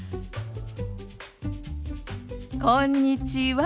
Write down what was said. こんにちは。